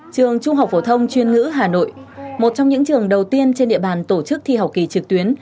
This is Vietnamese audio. trường trung học phổ thông chuyên ngữ hà nội một trong những trường đầu tiên trên địa bàn tổ chức thi học kỳ trực tuyến